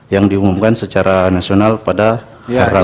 yang diumumkan secara nasional pada hari rambu